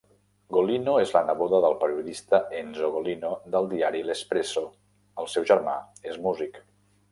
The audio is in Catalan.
Golino és la neboda del periodista Enzo Golino del diari "L'Espresso", el seu germà és músic.